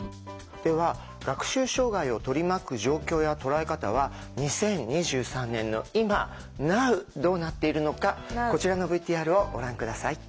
では学習障害を取り巻く状況や捉え方は２０２３年の今ナウどうなっているのかこちらのＶＴＲをご覧下さい。